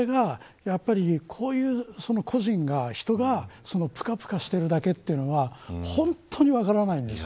それがこういう人がぷかぷかしているだけというのは本当に分からないんです。